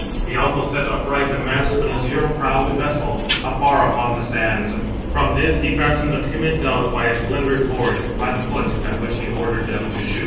He also set upright the mast of an azure prowed vessel, afar upon the sands; from [this] he fastened a timid dove by a slender cord, by the foot, at which he ordered [them] to shoot: Footnote 772: (return) _I.